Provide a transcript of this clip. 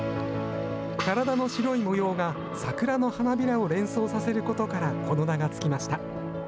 体の白い模様が桜の花びらを連想させることからこの名が付きました。